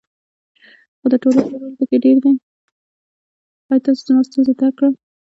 ایا تاسو زما ستونزه درک کړه؟